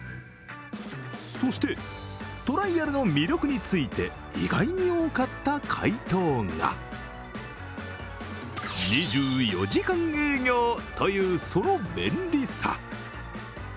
そしてトライアルの魅力について意外に多かった回答が、２４時間営業というその便利さ。